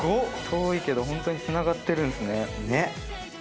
遠いけどホントにつながってるんですね。